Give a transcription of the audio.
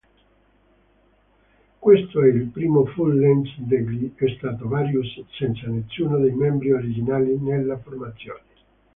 Questo è il primo full-length degli Stratovarius senza nessuno dei membri originali nella formazione.